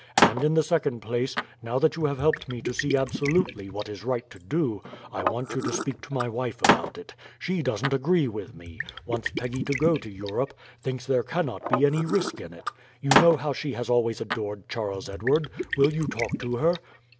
And in the second place, now that you have helped me to see absolutely what is right to do, I want you to speak to my wife about it. She doesn't agree with me, wants Peggy to go to Europe, thinks there cannot be any risk in it. You know how she has always adored Charles Edward. Will you talk to her?"